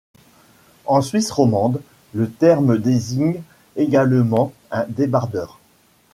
En Suisse romande, le terme désigne également un débardeur.